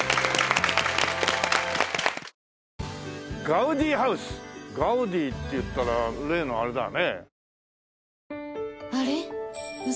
「ガウディハウス」ガウディっていったら例のあれだよね。